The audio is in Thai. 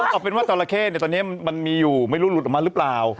เอาเป็นว่าจราเข้ตอนนี้มันมีอยู่ไม่รู้หลุดออกมาหรือเปล่า